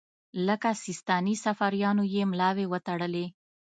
لکه سیستاني صفاریانو یې ملاوې وتړلې.